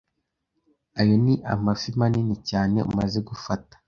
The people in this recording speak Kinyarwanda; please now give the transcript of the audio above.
Ayo ni amafi manini cyane umaze gufata.